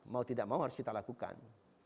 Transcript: mau tidak mau harus kita lakukan